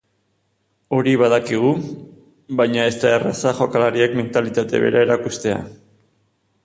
Hori badakigu, baina ez da erraza jokalariek mentalitate bera erakustea.